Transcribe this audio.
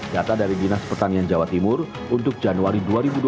data dari dinas pertanian jawa timur untuk januari dua ribu dua puluh